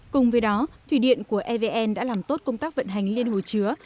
cùng với đó thủy điện của evn đã làm tốt công tác vận hành liên hồ chứa